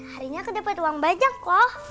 harinya aku dapat uang banyak loh